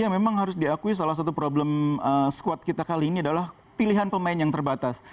yang memang harus diakui salah satu problem squad kita kali ini adalah pilihan pemain yang terbatas